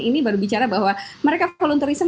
ini baru bicara bahwa mereka volunterism